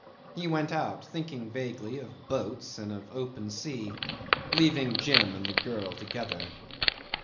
He went out, thinking vaguely of boats and of open sea, leaving Jim and the girl together.